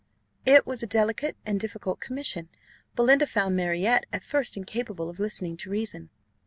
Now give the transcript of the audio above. It was a delicate and difficult commission. Belinda found Marriott at first incapable of listening to reason.